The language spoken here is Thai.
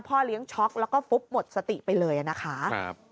เลี้ยงช็อกแล้วก็ฟุบหมดสติไปเลยนะคะ